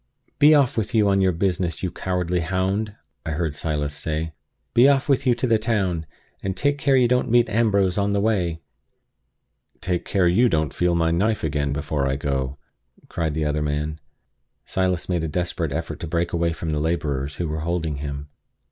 "Be off with you on your business, you cowardly hound!" I heard Silas say. "Be off with you to the town! and take care you don't meet Ambrose on the way!" "Take you care you don't feel my knife again before I go!" cried the other man. Silas made a desperate effort to break away from the laborers who were holding him.